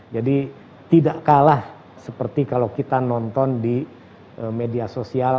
jadi tidak kalah seperti kalau kita nonton di media sosial